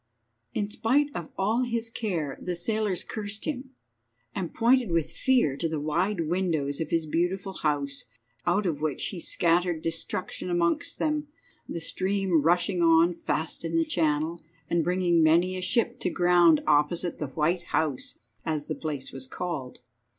In spite of all his care the sailors cursed him, and pointed with fear to the wide windows of his beautiful house, out of which he scattered destruction amongst them, the stream rushing on fast in the channel, and bringing many a ship to ground opposite the White House, as the place was called.